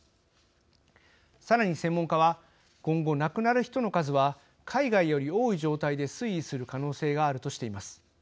さらに専門家は今後亡くなる人の数は海外より多い状態で推移する可能性があるとしています。